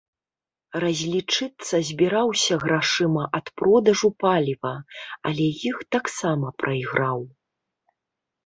Разлічыцца збіраўся грашыма ад продажу паліва, але іх таксама прайграў.